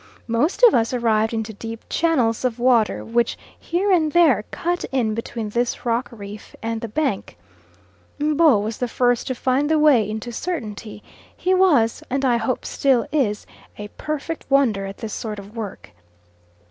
Most of us arrived into deep channels of water which here and there cut in between this rock reef and the bank, M'bo was the first to find the way into certainty; he was, and I hope still is, a perfect wonder at this sort of work.